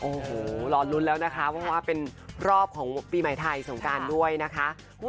โอ้โหรอลุ้นแล้วนะคะเพราะว่าเป็นรอบของปีใหม่ไทยสงการด้วยนะคะ